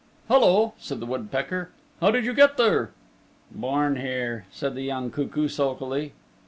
"Hello," said the woodpecker. "How did you get here?" "Born here," said the young cuckoo sulkily.